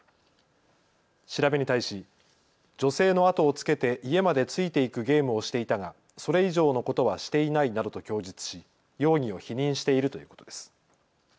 調べに対し女性の後をつけて家までついていくゲームをしていたが、それ以上のことはしていないなどと供述し容疑を否認しているということです。